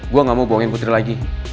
gue gak mau buangin putri lagi